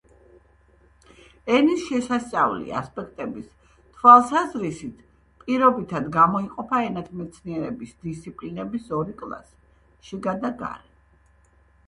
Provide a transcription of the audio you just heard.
ენის შესასწავლი ასპექტების თვალსაზრისით პირობითად გამოიყოფა ენათმეცნიერების დისციპლინების ორი კლასი: შიგა და გარე.